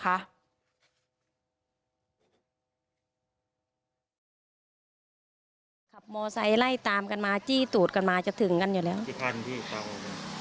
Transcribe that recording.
ขับมอไซค์ไล่ตามกันมาจี้ตูดกันมาจะถึงกันอยู่แล้วกี่คันพี่ครับ